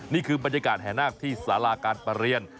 นี่คือบรรยากาศแห่นาคที่สาราการประเรียน